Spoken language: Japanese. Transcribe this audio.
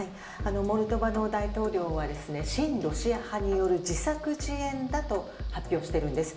モルドバの大統領は親ロシア派による自作自演だと発表しているんです。